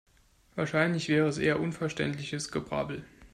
Wahrscheinlich wäre es eher unverständliches Gebrabbel.